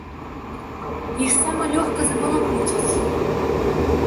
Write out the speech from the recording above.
Іх сама лёгка забаламуціць!